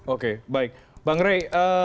oke baik bang rey